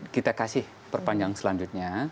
kita kasih perpanjangan selanjutnya